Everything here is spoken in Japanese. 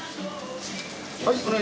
はい。